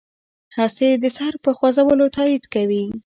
هسې د سر په خوځولو تایید کوي.